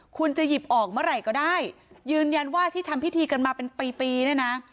คุณจะหยิบออกเมื่อไหร่ก็ได้ยืนยันว่าที่ทำพิธีกันมาเป็นปีปีเนี่ยนะ